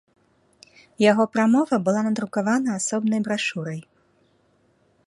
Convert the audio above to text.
Яго прамова была надрукавана асобнай брашурай.